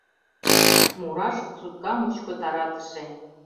Мураш сутка мучко таратыше.